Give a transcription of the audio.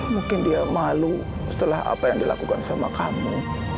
mungkin dia malu setelah apa yang dilakukan sama kamu